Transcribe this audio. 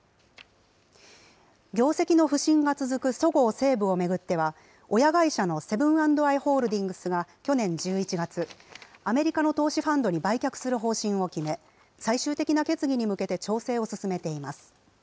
業績の不振が続くそごう・西武を巡っては、親会社のセブン＆アイ・ホールディングスが去年１１月、アメリカの投資ファンドに売却する方針を決め、最終的な決議に向けて、調整を進めています。